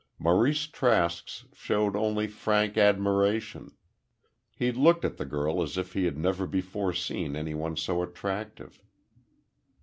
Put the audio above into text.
Maurice Trask's showed only frank admiration. He looked at the girl as if he had never before seen any one so attractive.